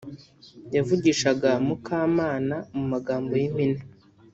yavugishaga Mukamana mu magambo y'impine